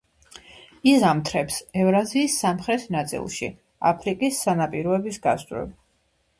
იზამთრებს ევრაზიის სამხრეთ ნაწილში, აფრიკის სანაპიროების გასწვრივ.